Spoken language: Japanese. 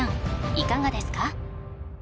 いかがですか？